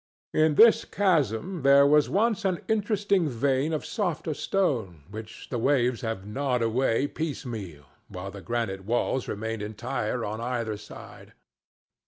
In this chasm there was once an intersecting vein of softer stone, which the waves have gnawed away piecemeal, while the granite walls remain entire on either side.